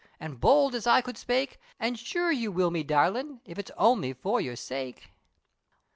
As bowld as I could spake, "An' sure I will me darlin', if Its only for your sake."